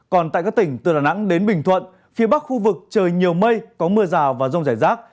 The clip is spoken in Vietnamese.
còn tại các tỉnh từ đà nẵng đến bình thuận phía bắc khu vực trời nhiều mây có mưa rào và rông rải rác